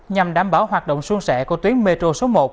nhằm đảm bảo hoạt động xuân xẻ của tuyến metro số một